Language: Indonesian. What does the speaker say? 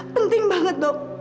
penting banget dok